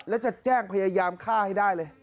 แล้วจะแจ้งพยายามฆ่าให้ได้เลย